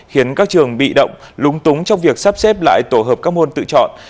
khiến các trường bị động lúng túng trong việc sắp xếp lại tổ hợp các môn tự chọn